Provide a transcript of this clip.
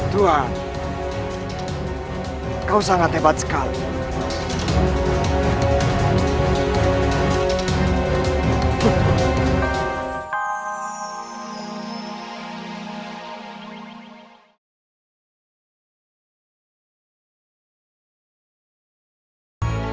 tuhan kau sangat hebat sekali